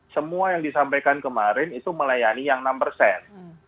semua yang disampaikan kemarin itu melayani yang enam persen